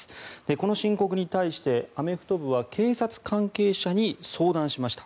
この申告に対してアメフト部は警察関係者に相談しました。